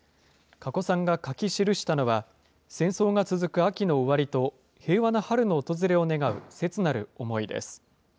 かこさんが書き記したのは、戦争が続く秋の終わりと、平和な春の訪れを願う切なる思いです。